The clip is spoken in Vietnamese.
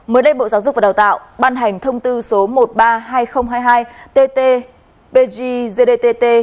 mới đây bộ giáo dục và đào tạo ban hành thông tư số một trăm ba mươi hai nghìn hai mươi hai tt bgtt